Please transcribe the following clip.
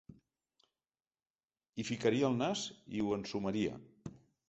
Hi ficaria el nas i ho ensumaria.